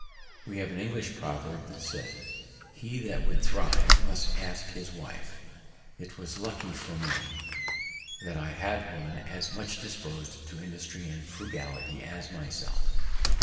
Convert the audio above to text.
We have an English proverb that says, "He that would thrive, must ask his wife." It was lucky for me that I had one as much dispos'd to industry and frugality as myself.